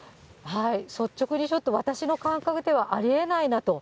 率直に、ちょっと私の感覚ではありえないなと。